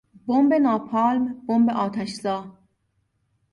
بمب ناپالم، بمب آتشزا